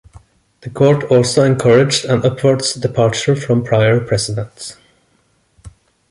The Court also encouraged an upwards departure from prior precedent.